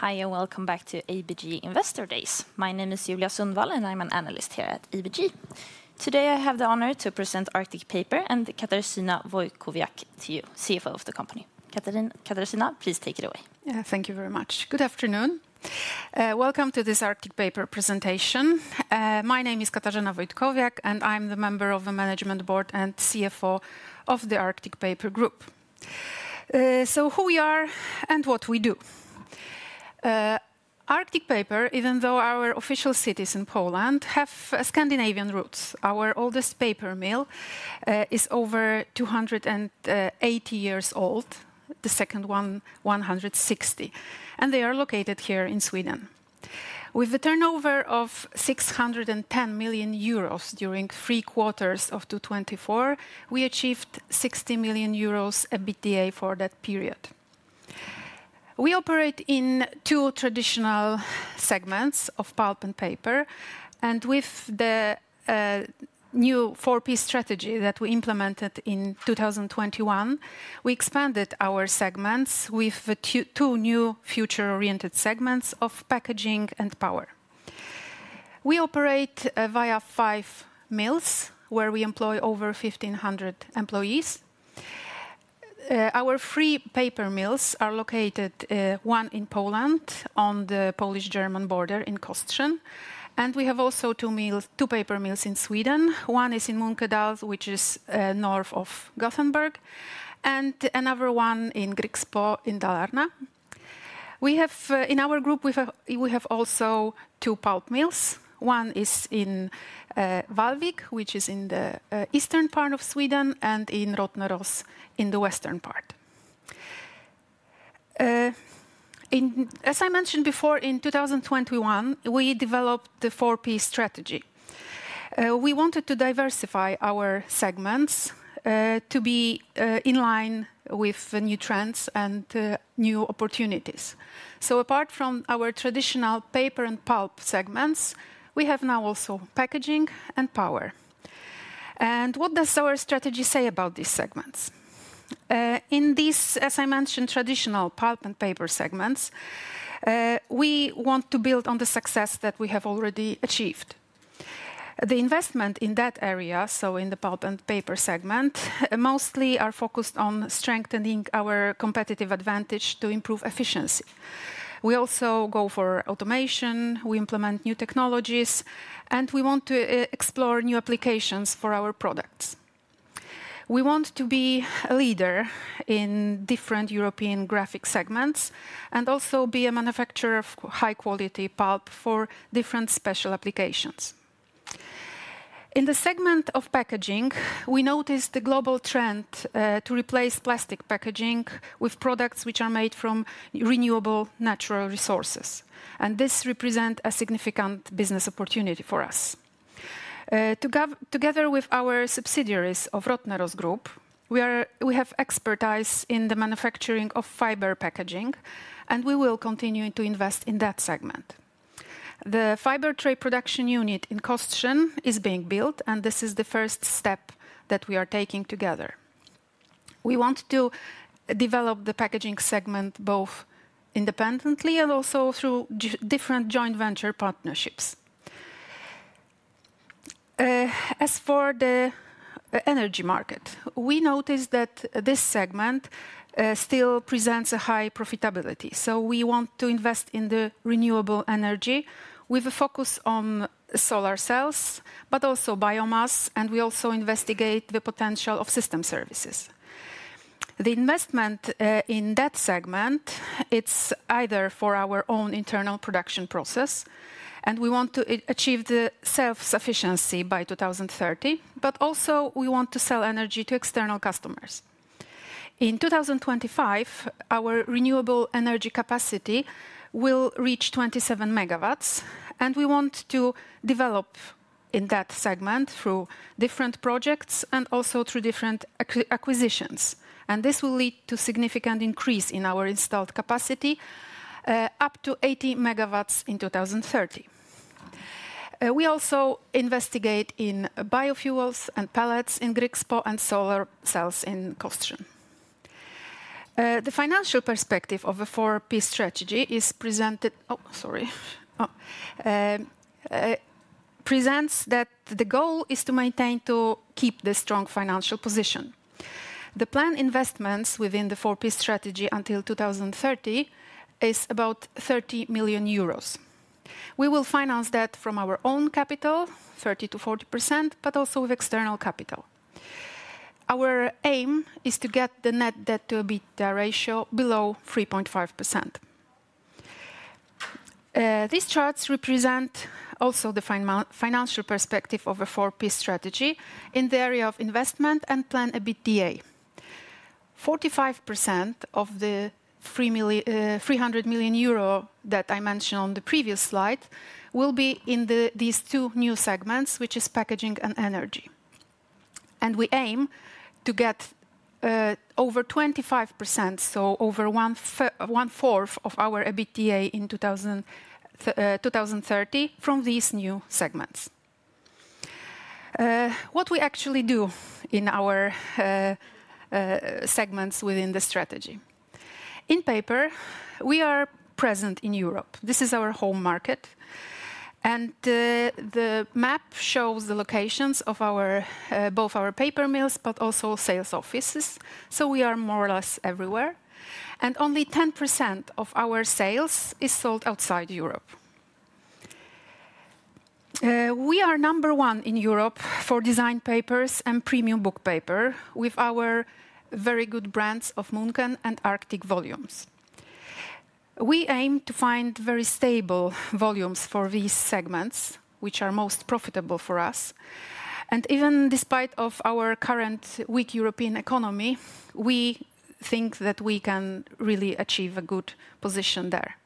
Hi, and welcome back to ABG Investor Days. My name is Julia Sundvall, and I'm an analyst here at ABG. Today, I have the honor to present Arctic Paper and Katarzyna Wojtkowiak to you, CFO of the company. Katarzyna, please take it away. Thank you very much. Good afternoon. Welcome to this Arctic Paper presentation. My name is Katarzyna Wojtkowiak, and I'm the member of the Management Board and CFO of the Arctic Paper Group. So who we are and what we do. Arctic Paper, even though our official city is in Poland, has Scandinavian roots. Our oldest paper mill is over 280 years old, the second one 160, and they are located here in Sweden. With the turnover of 610 million euros during three quarters of 2024, we achieved 60 million euros EBITDA for that period. We operate in two traditional segments of pulp and paper, and with the new 4P strategy that we implemented in 2021, we expanded our segments with two new future-oriented segments of packaging and power. We operate via five mills where we employ over 1,500 employees. Our three paper mills are located, one in Poland on the Polish-German border in Kostrzyn, and we have also two paper mills in Sweden. One is in Munkedal, which is north of Gothenburg, and another one in Grycksbo in Dalarna. In our group, we have also two pulp mills. One is in Vallvik, which is in the eastern part of Sweden, and in Rottneros in the western part. As I mentioned before, in 2021, we developed the 4P strategy. We wanted to diversify our segments to be in line with new trends and new opportunities. So apart from our traditional paper and pulp segments, we have now also packaging and power. And what does our strategy say about these segments? In these, as I mentioned, traditional pulp and paper segments, we want to build on the success that we have already achieved. The investment in that area, so in the pulp and paper segment, mostly is focused on strengthening our competitive advantage to improve efficiency. We also go for automation, we implement new technologies, and we want to explore new applications for our products. We want to be a leader in different European graphic segments and also be a manufacturer of high-quality pulp for different special applications. In the segment of packaging, we noticed the global trend to replace plastic packaging with products which are made from renewable natural resources, and this represents a significant business opportunity for us. Together with our subsidiaries of Rottneros Group, we have expertise in the manufacturing of fiber packaging, and we will continue to invest in that segment. The fiber tray production unit in Kostrzyn is being built, and this is the first step that we are taking together. We want to develop the packaging segment both independently and also through different joint venture partnerships. As for the energy market, we noticed that this segment still presents a high profitability, so we want to invest in the renewable energy with a focus on solar cells, but also biomass, and we also investigate the potential of system services. The investment in that segment, it's either for our own internal production process, and we want to achieve the self-sufficiency by 2030, but also we want to sell energy to external customers. In 2025, our renewable energy capacity will reach 27 megawatts, and we want to develop in that segment through different projects and also through different acquisitions, and this will lead to a significant increase in our installed capacity up to 80 megawatts in 2030. We also investigate in biofuels and pellets in Grycksbo and solar cells in Kostrzyn. The financial perspective of the 4P strategy is presented that the goal is to maintain to keep the strong financial position. The planned investments within the 4P strategy until 2030 is about 30 million euros. We will finance that from our own capital, 30%-40%, but also with external capital. Our aim is to get the net debt-to-EBITDA ratio below 3.5%. These charts represent also the financial perspective of a 4P strategy in the area of investment and planned EBITDA. 45% of the 300 million euro that I mentioned on the previous slide will be in these two new segments, which are packaging and energy. We aim to get over 25%, so over one fourth of our EBITDA in 2030 from these new segments. What we actually do in our segments within the strategy. In paper, we are present in Europe. This is our home market, and the map shows the locations of both our paper mills, but also sales offices, so we are more or less everywhere, and only 10% of our sales is sold outside Europe. We are number one in Europe for design papers and premium book paper with our very good brands of Munken and Arctic Volume. We aim to find very stable volumes for these segments, which are most profitable for us, and even despite our current weak European economy, we think that we can really achieve a good position there.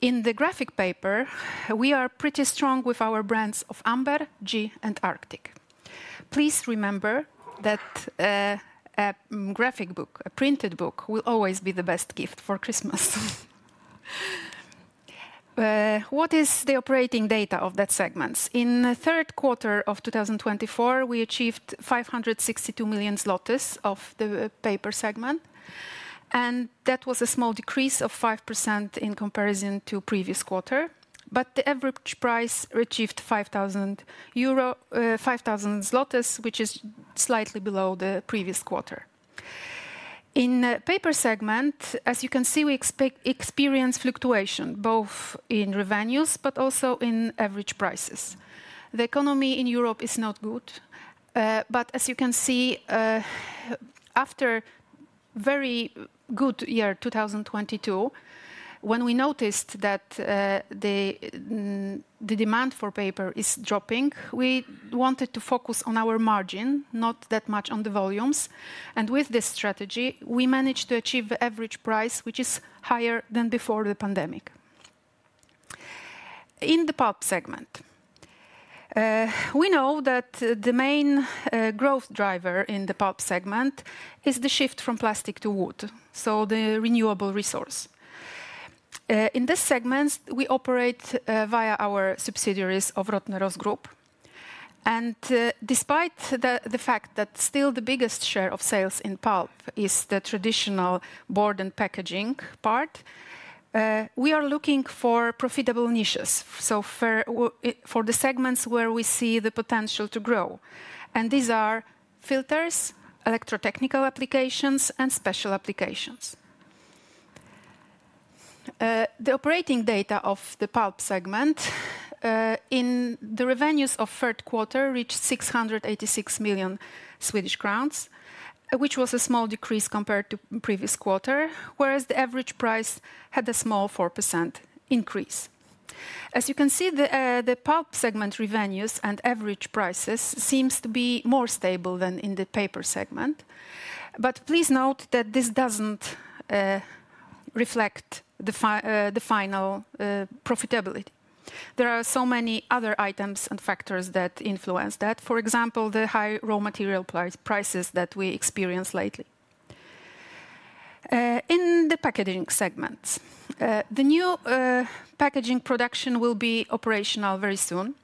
In the graphic paper, we are pretty strong with our brands of Amber, G, and Arctic. Please remember that a graphic book, a printed book, will always be the best gift for Christmas. What is the operating data of that segment? In the third quarter of 2024, we achieved 562 million zloty of the paper segment, and that was a small decrease of 5% in comparison to the previous quarter, but the average price reached PLN 5,000, which is slightly below the previous quarter. In the paper segment, as you can see, we experience fluctuation both in revenues, but also in average prices. The economy in Europe is not good, but as you can see, after a very good year 2022, when we noticed that the demand for paper is dropping, we wanted to focus on our margin, not that much on the volumes, and with this strategy, we managed to achieve the average price, which is higher than before the pandemic. In the pulp segment, we know that the main growth driver in the pulp segment is the shift from plastic to wood, so the renewable resource. In this segment, we operate via our subsidiaries of Rottneros Group, and despite the fact that still the biggest share of sales in pulp is the traditional board and packaging part, we are looking for profitable niches, so for the segments where we see the potential to grow, and these are filters, electrotechnical applications, and special applications. The operating data of the pulp segment in the revenues of the third quarter reached 686 million Swedish crowns, which was a small decrease compared to the previous quarter, whereas the average price had a small 4% increase. As you can see, the pulp segment revenues and average prices seem to be more stable than in the paper segment, but please note that this doesn't reflect the final profitability. There are so many other items and factors that influence that, for example, the high raw material prices that we experience lately. In the packaging segment, the new packaging production will be operational very soon.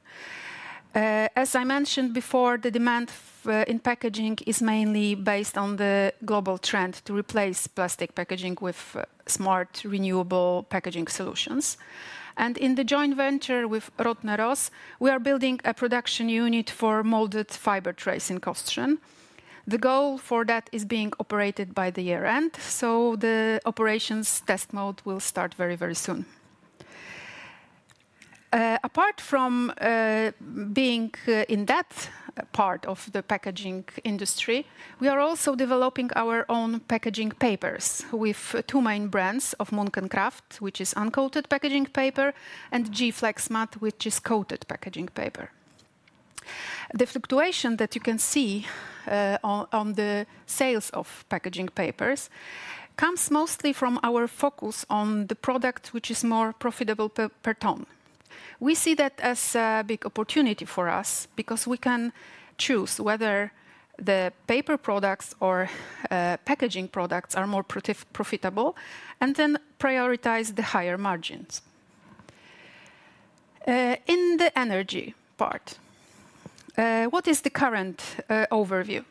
As I mentioned before, the demand in packaging is mainly based on the global trend to replace plastic packaging with smart renewable packaging solutions, and in the joint venture with Rottneros, we are building a production unit for molded fiber trays in Kostrzyn. The goal for that is being operated by the year end, so the operations test mode will start very, very soon. Apart from being in that part of the packaging industry, we are also developing our own packaging papers with two main brands of Munken Kraft, which is uncoated packaging paper, and G-Flexmatt, which is coated packaging paper. The fluctuation that you can see on the sales of packaging papers comes mostly from our focus on the product, which is more profitable per ton. We see that as a big opportunity for us because we can choose whether the paper products or packaging products are more profitable and then prioritize the higher margins. In the energy part, what is the current overview?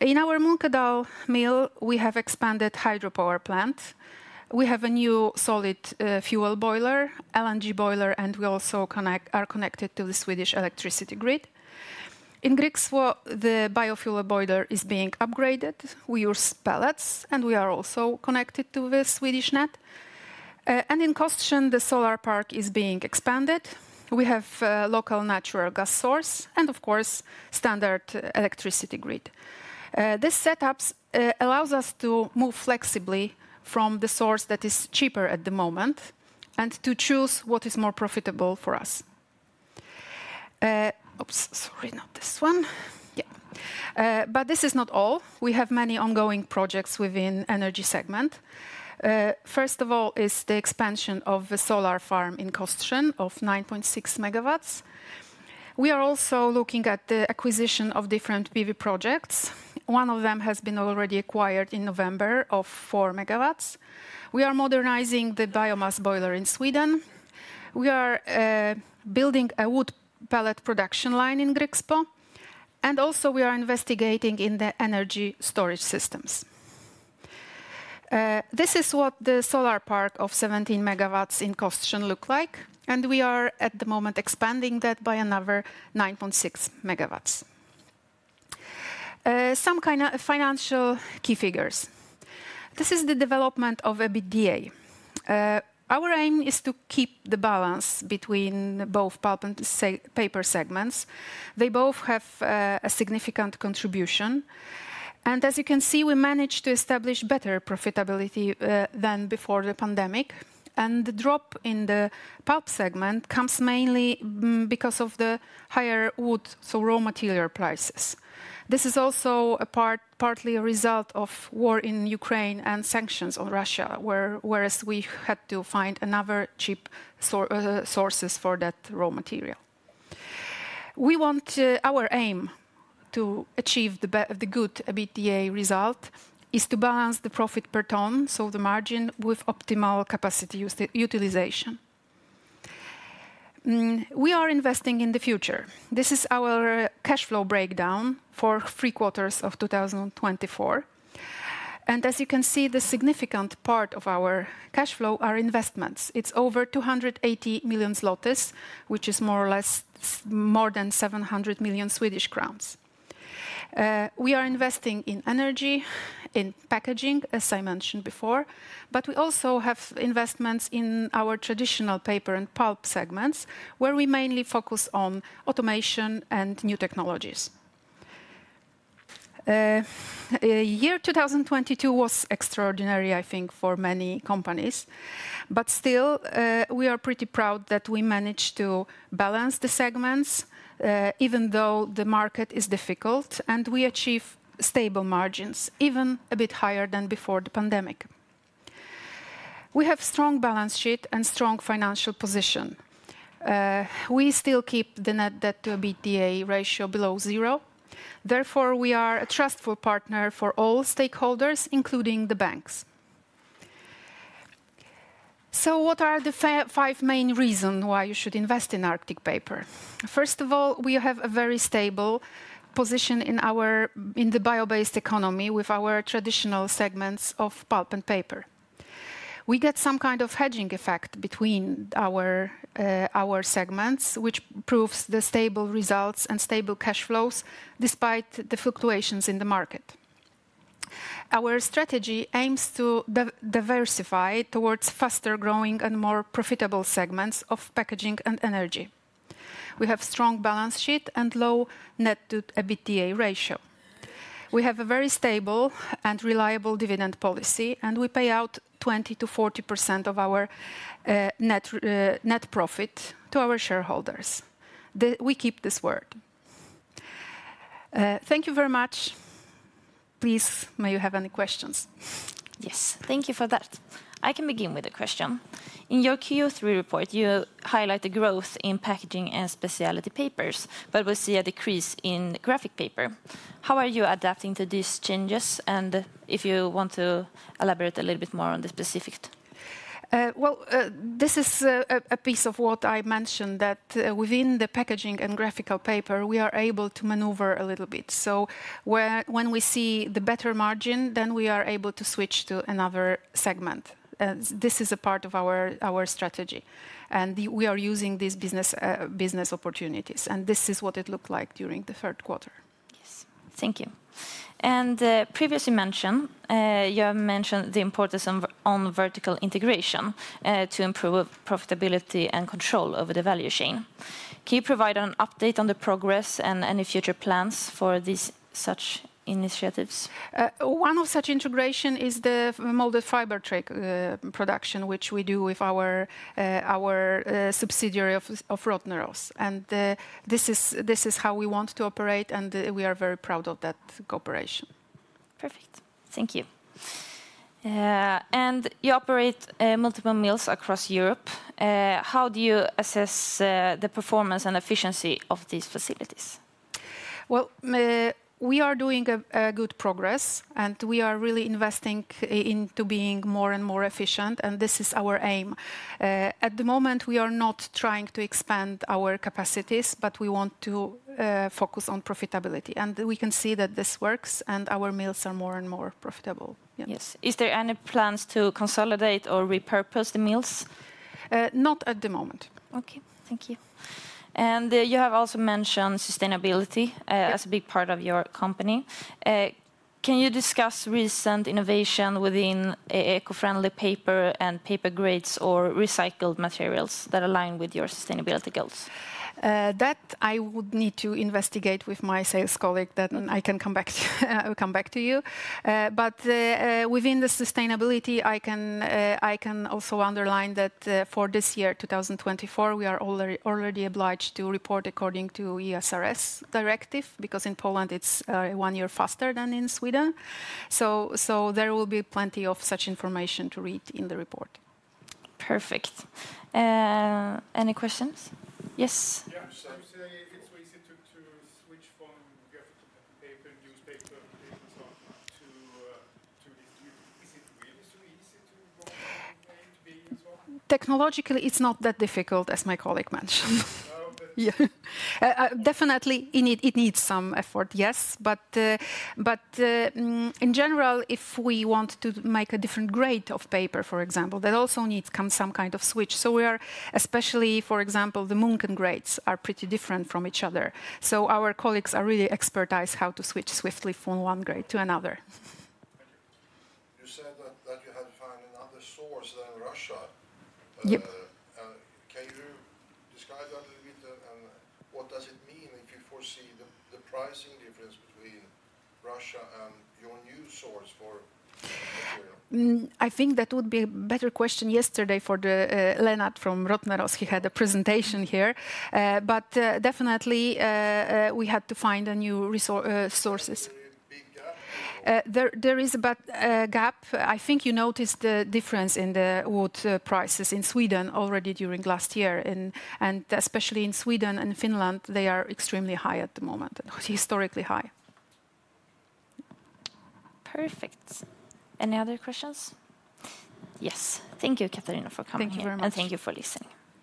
In our Munkedal mill, we have expanded hydropower plants. We have a new solid fuel boiler, LNG boiler, and we also are connected to the Swedish electricity grid. In Grycksbo, the biofuel boiler is being upgraded. We use pellets, and we are also connected to the Swedish grid, and in Kostrzyn, the solar park is being expanded. We have a local natural gas source and, of course, standard electricity grid. This setup allows us to move flexibly from the source that is cheaper at the moment and to choose what is more profitable for us. Oops, sorry, not this one. Yeah, but this is not all. We have many ongoing projects within the energy segment. First of all is the expansion of the solar farm in Kostrzyn of 9.6 megawatts. We are also looking at the acquisition of different PV projects. One of them has been already acquired in November of four megawatts. We are modernizing the biomass boiler in Sweden. We are building a wood pellet production line in Grycksbo, and also we are investigating in the energy storage systems. This is what the solar park of 17 megawatts in Kostrzyn looks like, and we are at the moment expanding that by another 9.6 megawatts. Some kind of financial key figures. This is the development of EBITDA. Our aim is to keep the balance between both pulp and paper segments. They both have a significant contribution, and as you can see, we managed to establish better profitability than before the pandemic, and the drop in the pulp segment comes mainly because of the higher wood, so raw material prices. This is also partly a result of the war in Ukraine and sanctions on Russia, whereas we had to find other cheap sources for that raw material. Our aim to achieve the good EBITDA result is to balance the profit per ton, so the margin, with optimal capacity utilization. We are investing in the future. This is our cash flow breakdown for three quarters of 2024, and as you can see, the significant part of our cash flow is investments. It's over 280 million zlotys, which is more than 700 million Swedish crowns. We are investing in energy, in packaging, as I mentioned before, but we also have investments in our traditional paper and pulp segments, where we mainly focus on automation and new technologies. The year 2022 was extraordinary, I think, for many companies, but still, we are pretty proud that we managed to balance the segments, even though the market is difficult, and we achieve stable margins, even a bit higher than before the pandemic. We have a strong balance sheet and a strong financial position. We still keep the net debt-to-EBITDA ratio below zero. Therefore, we are a trustful partner for all stakeholders, including the banks. So what are the five main reasons why you should invest in Arctic Paper? First of all, we have a very stable position in the bio-based economy with our traditional segments of pulp and paper. We get some kind of hedging effect between our segments, which proves the stable results and stable cash flows despite the fluctuations in the market. Our strategy aims to diversify towards faster-growing and more profitable segments of packaging and energy. We have a strong balance sheet and low net debt-to-EBITDA ratio. We have a very stable and reliable dividend policy, and we pay out 20%-40% of our net profit to our shareholders. We keep this word. Thank you very much. Please, may you have any questions? Yes, thank you for that. I can begin with a question. In your Q3 report, you highlight the growth in packaging and specialty papers, but we see a decrease in graphic paper. How are you adapting to these changes, and if you want to elaborate a little bit more on the specifics? This is a piece of what I mentioned, that within the packaging and graphic paper, we are able to maneuver a little bit. So when we see the better margin, then we are able to switch to another segment. This is a part of our strategy, and we are using these business opportunities, and this is what it looked like during the third quarter. Yes, thank you. Previously mentioned, you mentioned the importance of vertical integration to improve profitability and control over the value chain. Can you provide an update on the progress and any future plans for such initiatives? One of such integrations is the molded fiber tray production, which we do with our subsidiary Rottneros, and this is how we want to operate, and we are very proud of that cooperation. Perfect, thank you. You operate multiple mills across Europe. How do you assess the performance and efficiency of these facilities? Well, we are doing good progress, and we are really investing into being more and more efficient, and this is our aim. At the moment, we are not trying to expand our capacities, but we want to focus on profitability, and we can see that this works, and our mills are more and more profitable. Yes, is there any plans to consolidate or repurpose the mills? Not at the moment. Okay, thank you. And you have also mentioned sustainability as a big part of your company. Can you discuss recent innovation within eco-friendly paper and paper grades or recycled materials that align with your sustainability goals? That I would need to investigate with my sales colleague, then I can come back to you. But, within the sustainability, I can also underline that for this year, 2024, we are already obliged to report according to ESRS directive because in Poland, it's one year faster than in Sweden. So there will be plenty of such information to read in the report. Perfect. Any questions? Yes. Yeah, so you say it's so easy to switch from graphic paper and newspaper and this and so on to this. Is it really so easy to go from A to B and so on? Technologically, it's not that difficult, as my colleague mentioned. Definitely, it needs some effort, yes, but in general, if we want to make a different grade of paper, for example, that also needs some kind of switch. So we are, especially, for example, the Munken grades are pretty different from each other. So our colleagues are really experts how to switch swiftly from one grade to another. You said that you had to find another source than Russia. Can you describe that a little bit, and what does it mean if you foresee the pricing difference between Russia and your new source for material? I think that would be a better question yesterday for Lennart from Rottneros. He had a presentation here, but definitely, we had to find new sources. Is there a big gap? There is a gap. I think you noticed the difference in the wood prices in Sweden already during last year, and especially in Sweden and Finland, they are extremely high at the moment, historically high. Perfect. Any other questions? Yes, thank you, Katarzyna, for coming in. Thank you very much. And thank you for listening.